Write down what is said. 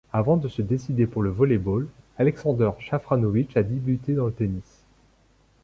Avant de se décider pour le volley-ball, Alexander Shafranovich a débuté dans le tennis.